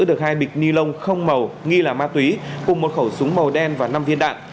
được hai bịch ni lông không màu nghi là ma túy cùng một khẩu súng màu đen và năm viên đạn